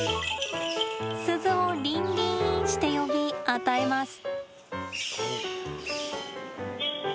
鈴をリンリンして呼び与えます。